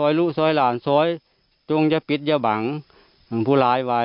ซ้อยรู้ซ้อยร่านซ้อยต้องจะพิทยาบังภูรายไว้